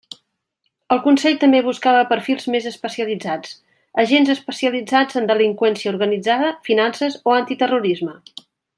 El Consell també buscava perfils més especialitzats; agents especialitzats en delinqüència organitzada, finances o antiterrorisme.